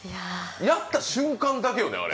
やった瞬間だけよね、あれ。